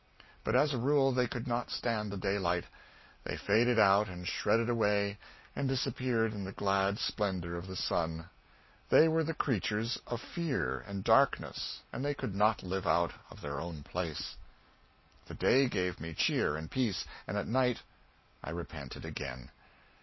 But as a rule they could not stand the daylight. They faded out and shredded away and disappeared in the glad splendor of the sun. They were the creatures of fear and darkness, and they could not live out of their own place. The day gave me cheer and peace, and at night I repented again.